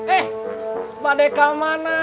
eh pak deka mana